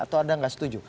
atau anda nggak setuju